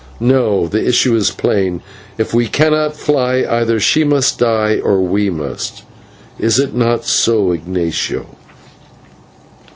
No, the issue is plain; if we cannot fly, either she must die or we must. Is it not so, Ignatio?"